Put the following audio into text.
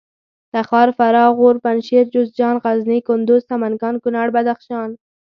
تخار فراه غور پنجشېر جوزجان غزني کندوز سمنګان کونړ بدخشان